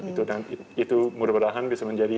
itu mudah mudahan bisa menjadi